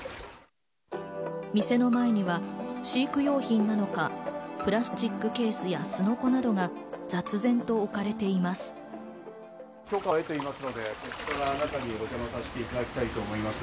店の前には飼育用品なのか、プラスチックケースやすのこなどが雑然と置かれています。